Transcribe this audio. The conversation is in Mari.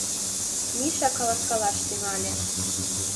Миша каласкалаш тӱҥале.